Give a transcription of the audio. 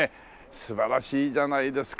素晴らしいじゃないですか